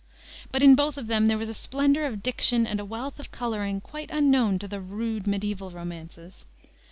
But in both of them there was a splendor of diction and a wealth of coloring quite unknown to the rude mediaeval romances.